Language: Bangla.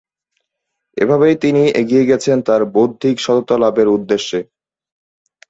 এভাবেই তিনি এগিয়ে গেছেন তার বৌদ্ধিক সততা লাভের উদ্দেশ্যে।